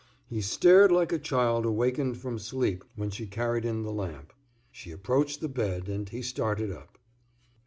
He stared like a child awakened from sleep when she carried in the lamp. She approached the bed, and he started up.